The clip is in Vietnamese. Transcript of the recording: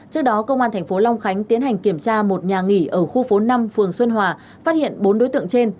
trước đó công an tp long khánh tiến hành kiểm tra một nhà nghỉ ở khu phố năm phường xuân hòa phát hiện bốn đối tượng trên